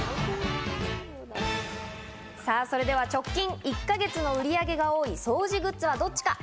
さぁ、それでは直近１か月の売り上げが多い掃除グッズはどっちか。